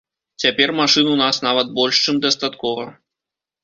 Цяпер машын у нас нават больш, чым дастаткова.